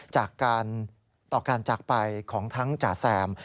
จากการต่อการจากไปของทั้งจ๋าแซม